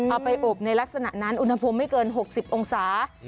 เอาไปอบในลักษณะนั้นอุณหภูมิไม่เกิน๖๐องศา